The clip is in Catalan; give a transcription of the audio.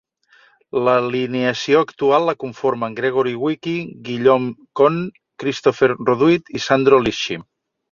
L'alineació actual la conformen Gregory Wicky, Guillaume Conne, Christophe Roduit i Sandro Lisci.